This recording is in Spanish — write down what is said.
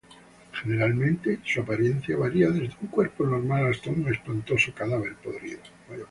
Generalmente su apariencia varía desde un cuerpo normal hasta un espantoso cadáver podrido.